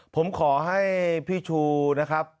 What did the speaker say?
ผมขอให้พี่ชูนะครับ